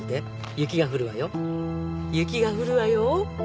雪が降るわよ